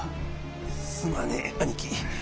すまねえ兄貴。